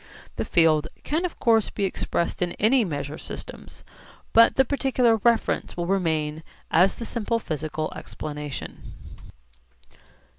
The field can of course be expressed in any measure systems, but the particular reference will remain as the simple physical explanation.